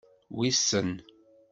Wissen!